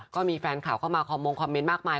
ก็มีฟั้นข่าวเข้ามาที่มงความคอนเมนต์มากมาย